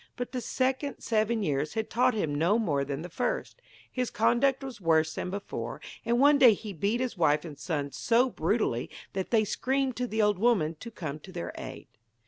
But the second seven years had taught him no more than the first his conduct was worse than before; and one day he beat his wife and son so brutally that they screamed to the old woman to come to their aid.